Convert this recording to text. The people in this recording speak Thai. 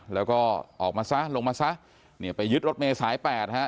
แล้วก็ออกมาซะลงมาซะเนี่ยไปยึดรถเมย์สายแปดฮะ